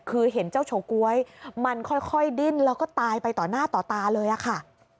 คือเห็นเจ้าเฉาก๊วยมันค่อยดิ้นแล้วก็ตายไปต่อหน้าต่อตาเลยอะค่ะ